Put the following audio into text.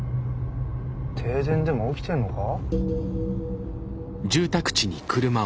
停電でも起きてんのか？